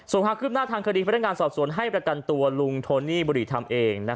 ส่วนข้างขึ้นหน้าทางคดีพันธการสอบส่วนให้ประกันตัวลุงโทนี่บริธรรมเอง